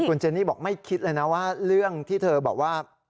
คุณเจนี่บอกไม่คิดเลยนะว่าเรื่องที่เธอบอกว่า